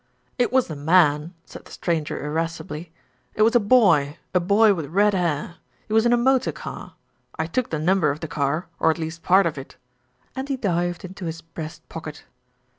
"It wasn't a man," said the stranger irascibly. "It was a boy, a boy with red hair. He was in a motor car. I took the number of the car, or at least part of it," and he dived into his breast pocket.